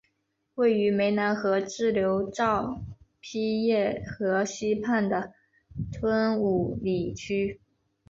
位于湄南河支流昭披耶河西畔的吞武里区。